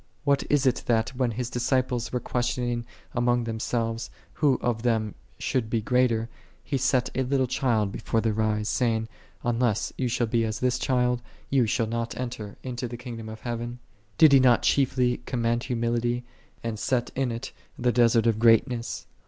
What is it that, when His disciples were questioning among themselves, who of them should be greater, He set a little child before their eyes, saying, " Unless ye shall be as this child, ye shall not enter into the Kingdom of Heaven?"10 Did He not chiefly commend humility, and set in it the desert of greatness